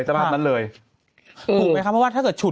ถูกไหมครับเพราะว่าถ้าเกิดฉุด